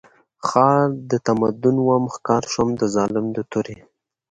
ښار د تمدن وم ښکار شوم د ظالم د تورې